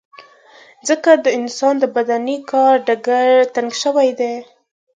ځکه د انسان د بدني کار ډګر تنګ شوی دی.